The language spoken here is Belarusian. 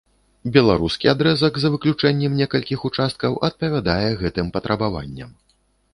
Беларускі адрэзак, за выключэннем некалькіх участкаў, адпавядае гэтым патрабаванням.